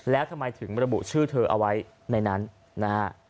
แล้วทำไมถึงระบุชื่อเธอเอาไว้ในนั้นนะฮะ